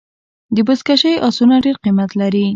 د بزکشۍ آسونه ډېر قیمت لري.